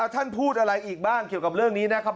พูดอะไรอีกบ้างเกี่ยวกับเรื่องนี้นะครับ